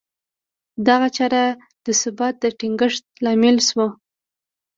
دغه چاره د ثبات د ټینګښت لامل شوه